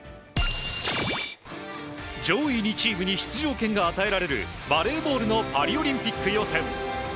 上位２チームに出場権が与えられるバレーボールのパリオリンピック予選。